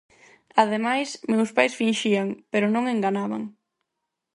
Ademais, meus pais finxían pero non enganaban: